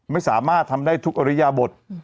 ไม่สามารถทำได้ทุกอริยบท